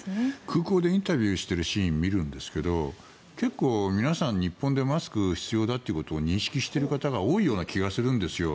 空港でインタビューしているシーンをよく見るんですが結構、皆さん日本でマスク必要だということを認識している方が多いような気がするんですよ。